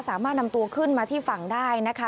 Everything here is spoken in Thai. สามารถนำตัวขึ้นมาที่ฝั่งได้นะคะ